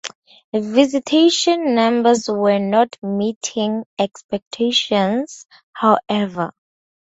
Visitation numbers were not meeting expectations, however.